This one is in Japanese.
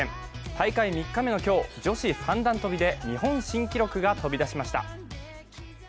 大会３日目の今日、女子三段跳びで日本新記録が飛び出しました。